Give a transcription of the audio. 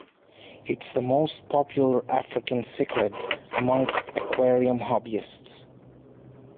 It is the most popular African cichlid amongst aquarium hobbyists.